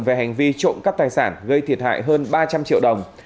về hành vi trộm cắp tài sản gây thiệt hại hơn ba trăm linh triệu đồng